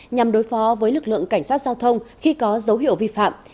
nhằm đối phó với lực lượng cảnh sát giao thông khi có dấu hiệu vi phạm